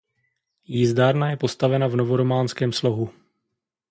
Jízdárna je postavena v novorománském slohu.